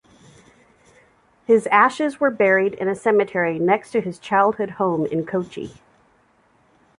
His ashes were buried in a cemetery next to his childhood home in Kochi.